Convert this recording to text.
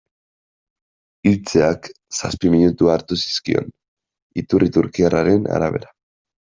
Hiltzeak zazpi minutu hartu zizkion, iturri turkiarraren arabera.